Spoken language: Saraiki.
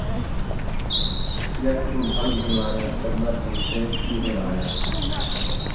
ڄٹ کوں بھل بھن٘وایا ، ٹٻر گھن تے ٻوہے آیا